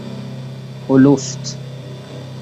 اُلفت